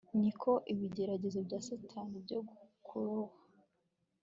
ni ko ibigeragezo bya Satani byo kuroha